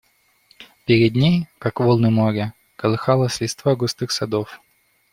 Перед ней, как волны моря, колыхалась листва густых садов.